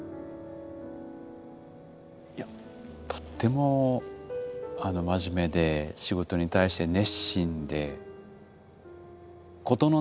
いやとっても真面目で仕事に対して熱心で事のね